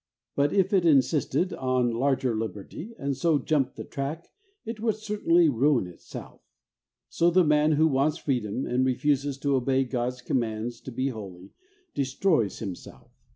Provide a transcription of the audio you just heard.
But if it insisted on larger liberty, and so jumped the track, it would certainly ruin itself. So the man who wants freedom, and refuses to obey God's commands to be holy, destroys himself.